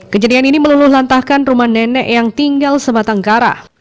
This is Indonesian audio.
kejadian ini meluluh lantahkan rumah nenek yang tinggal sebatang kara